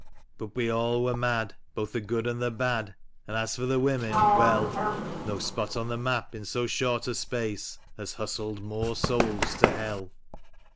But we all were mad, both the good and the bad, and as for the women, well — Xo spot on the map in so short a space has hustled more souls to hell.